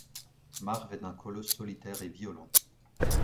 Marv est un colosse solitaire et violent.